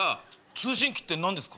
通信機って何ですか？